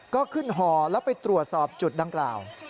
ก็ขึ้นห่อแล้วไปตรวจสอบจุดดังกล่าว